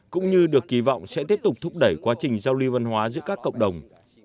cũng như được kỳ vọng sẽ tiếp tục thúc đẩy quá trình giao lưu văn hóa giữa các cộng đồng